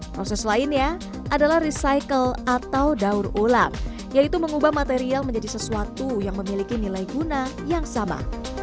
proses lainnya adalah recycle atau daur ulang yaitu mengubah material menjadi sesuatu yang memiliki nilai guna yang sama